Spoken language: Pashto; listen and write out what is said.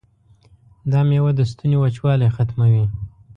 دا میوه د ستوني وچوالی ختموي.